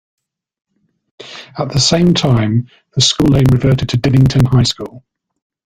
At the same time, the school name reverted to Dinnington High School.